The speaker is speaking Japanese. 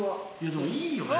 でもいいよね。